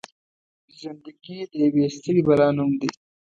زنده ګي د يوې ستړې بلا نوم دی.